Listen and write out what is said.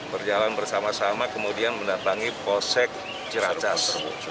berjalan bersama sama kemudian mendatangi polsek ciracas